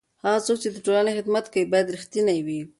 هغه څوک چې د ټولنې خدمت کوي باید رښتینی وي.